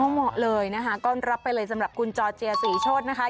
เหมาะเลยนะคะต้อนรับไปเลยสำหรับคุณจอร์เจียศรีโชธนะคะ